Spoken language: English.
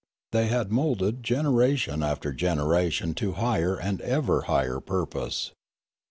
They had moulded generation after generation to higher and ever higher purpose.